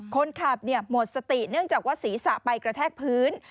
คนขับหมดสติเนื่องจากว่าศีรษะไปกระแทกพื้น